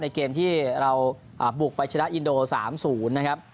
เกมที่เราบุกไปชนะอินโด๓๐นะครับ